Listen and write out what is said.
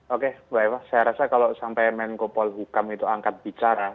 oke mbak eva saya rasa kalau sampai menko polhukam itu angkat bicara